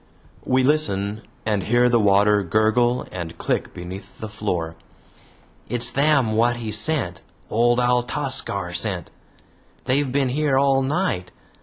We listen, and hear the water gurgle and click beneath the floor. "It's them wot he sent! Old Altascar sent. They've been here all night.